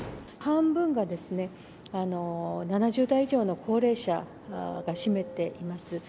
半分が７０代以上の高齢者が占めています。